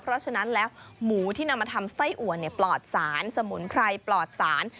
เพราะฉะนั้นแล้วหมูที่นำมาทำไส้อัวปลอดสารสมุนไพรปลอดสาร